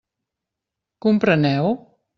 Compreneu?